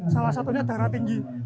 salah satunya darah tinggi